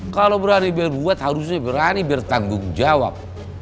kalo berani biar buat harusnya berani biar tanggung jawab